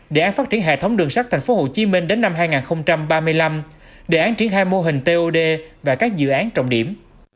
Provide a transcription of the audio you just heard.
đề án phát triển hệ thống đường sắt tp hcm đến năm hai nghìn ba mươi năm đề án triển khai mô hình tod và các dự án trọng điểm